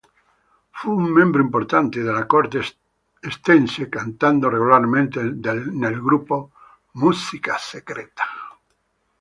Fu un membro importante della corte estense cantando regolarmente nel gruppo "musica secreta".